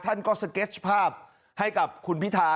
ท่านก็สเก็ตภาพให้กับคุณพิธา